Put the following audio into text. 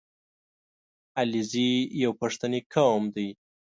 • علیزي یو پښتني قوم دی.